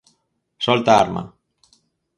Solta a arma!